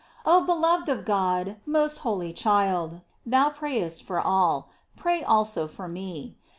Oh beloved of God, most holy child, thou prayest for all, pray also for me.